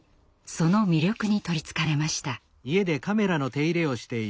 その魅力に取りつかれました。